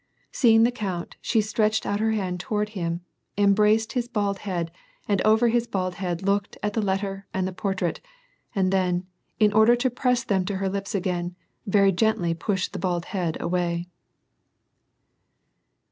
Seeing the count, she stretched out her hand toward him, em braced his bald head, and over his bald head looked at the let ter and the portrait, and then, in order to press them to her lips again, gently pushed the bald head away.